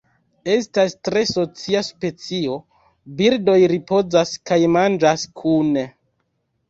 Estas tre socia specio, birdoj ripozas kaj manĝas kune.